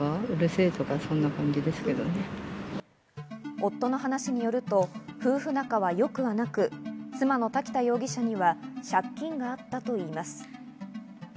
夫の話によると、夫婦仲は良くはなく妻の滝田容疑者には借金があったといいます。